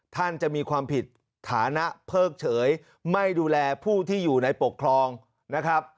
ท่านจะมีความผิดฐานะเพิกเฉยไม่ดูแลผู้ที่อยู่ในปกครองนะครับ